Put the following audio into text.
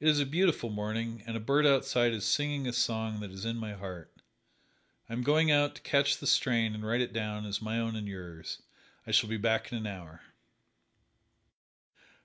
It is a beautiful morning and a bird outside is singing a song that is in my heart. I am going out to catch the strain and write it down as my own and yours. I shall be back in an hour."